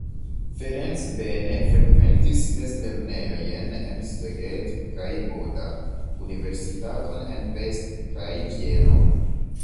Ferenc Bene frekventis mezlernejojn en Szeged kaj Buda, universitaton en Pest kaj Vieno.